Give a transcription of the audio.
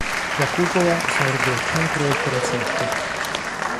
La cupola sorge al centro del transetto.